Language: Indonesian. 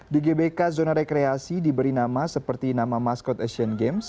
di gbk zona rekreasi diberi nama seperti nama maskot asian games